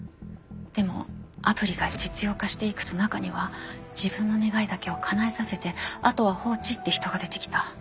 でもアプリが実用化していくと中には自分の願いだけを叶えさせてあとは放置って人が出てきた。